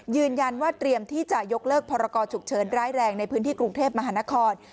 ยืนยันว่าเตรียมที่จะยกเลิกพรกรฉุกเฉินร้ายแรงในพื้นที่กรุงเทพมหานคร